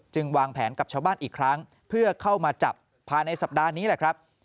วางแผนกับชาวบ้านอีกครั้งเพื่อเข้ามาจับภายในสัปดาห์นี้แหละครับ